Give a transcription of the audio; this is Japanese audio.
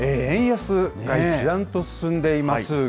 円安が一段と進んでいます。